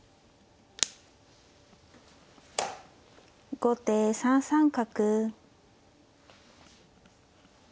後手３三角。